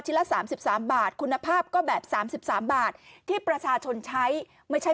ละ๓๓บาทคุณภาพก็แบบ๓๓บาทที่ประชาชนใช้ไม่ใช่